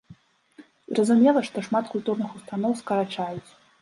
Зразумела, што шмат культурных устаноў скарачаюць.